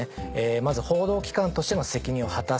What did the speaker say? まず報道機関としての責任を果たす。